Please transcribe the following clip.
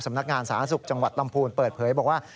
นักงานสาธารณสุขจังหวัดลำพูนเปิดเผยบอกว่า